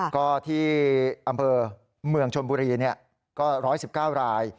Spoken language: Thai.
ก็ที่อำเภอเมืองชนบุรีก็๑๑๙ราย